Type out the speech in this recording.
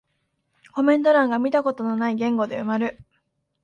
コメント欄が見たことない言語で埋まる